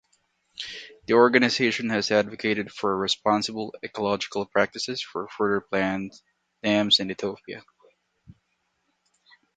The organization has advocated for responsible ecological practices for further planned dams in Ethiopia.